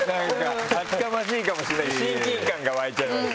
厚かましいかもしれないけど親近感が湧いちゃいました。